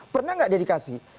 pernah gak dia dikasih